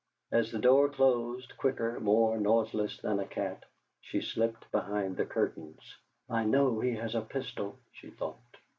As the door closed, quicker, more noiseless than a cat, she slipped behind the curtains. '. know he has a pistol,' she thought.